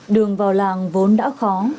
đường vào làng vốn đã khó